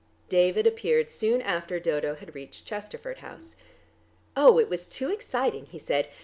David appeared soon after Dodo had reached Chesterford House. "Oh, it was too exciting," he said.